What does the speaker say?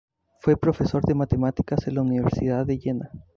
Fue profesor de matemáticas en la Universidad de Jena.